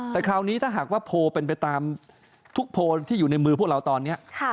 แต่คราวนี้ถ้าหากว่าโพลเป็นไปตามทุกโพลที่อยู่ในมือพวกเราตอนนี้